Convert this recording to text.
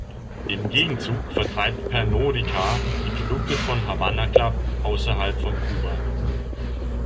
Im Gegenzug vertreibt Pernod Ricard die Produkte von Havana Club außerhalb von Kuba.